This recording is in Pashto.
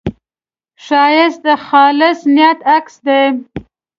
ښایست د خالص نیت عکس دی